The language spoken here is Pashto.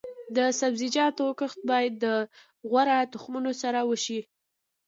د سبزیجاتو کښت باید د غوره تخمونو سره وشي.